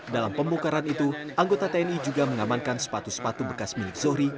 dalam pembongkaran itu anggota tni juga mengamankan sepatu sepatu bekas milik zohri